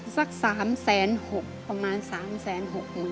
สัก๓๖๐๐๐๐บาทประมาณ๓๖๐๐๐๐บาท